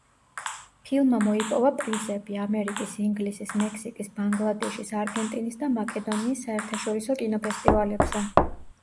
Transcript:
ფილმა მოიპოვა პრიზები, ამერიკის, ინგლისის, მექსიკის, ბანგლადეშის, არგენტინის და მაკედონიის საერთაშორისო კინოფესტივალებზე.